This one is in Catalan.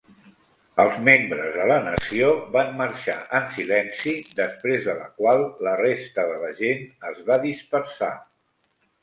Els membres de la nació van marxar en silenci, després de la qual la resta de la gent es va dispersar.